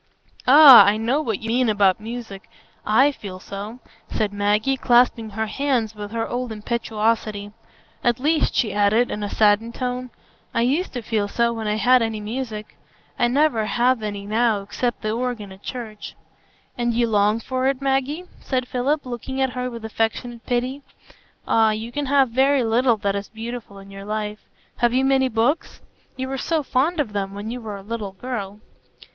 "Ah! I know what you mean about music; I feel so," said Maggie, clasping her hands with her old impetuosity. "At least," she added, in a saddened tone, "I used to feel so when I had any music; I never have any now except the organ at church." "And you long for it, Maggie?" said Philip, looking at her with affectionate pity. "Ah, you can have very little that is beautiful in your life. Have you many books? You were so fond of them when you were a little girl."